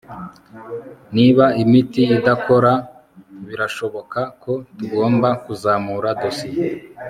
niba imiti idakora, birashoboka ko tugomba kuzamura dosiye